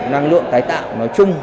năng lượng tái tạo nói chung